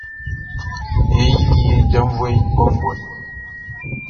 Ye yili ye jaʼnvuɛʼm kɔnguɛ.